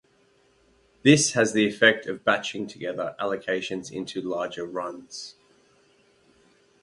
This has the effect of batching together allocations into larger runs.